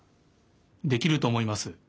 できるとおもいます。